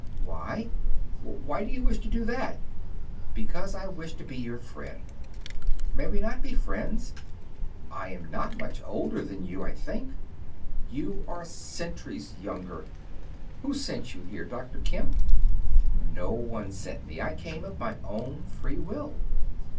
"Why do you wish to do that?" "Because I wish to be your friend. May we not be friends? I am not much older than you, I think." "You are centuries younger. Who sent you here? Dr. Kemp?" "No one sent me; I came of my own free will."